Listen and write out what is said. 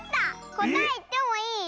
こたえいってもいい？